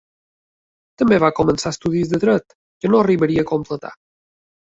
També va començar estudis de Dret, que no arribaria a completar.